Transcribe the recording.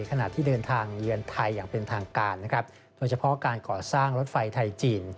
ขณะที่เดินทางเยือนไทยอย่างเป็นทางการนะครับโดยเฉพาะการก่อสร้างรถไฟไทยจีน